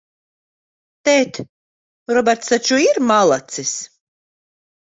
Tēt, Roberts taču ir malacis?